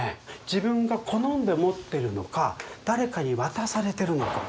自分が好んで持ってるのか誰かに渡されてるのか。